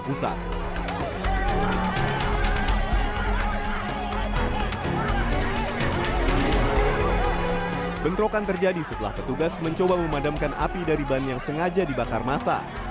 bentrokan terjadi setelah petugas mencoba memadamkan api dari ban yang sengaja dibakar masa